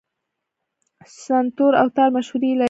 سنتور او تار مشهورې الې دي.